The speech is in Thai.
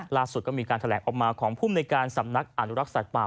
ล่าสุดก็มีการแถลงออกมาของภูมิในการสำนักอนุรักษ์สัตว์ป่า